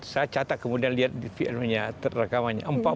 saya catat kemudian lihat di filmnya terrekamannya